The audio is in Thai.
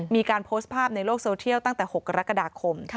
มีการโพสต์ภาพในโลกโซเทียลตั้งแต่๖กรกฎาคม